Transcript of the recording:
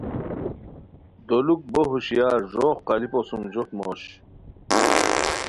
دولوک بوہوشیار ݱوغ قالیپو سُم جہت موش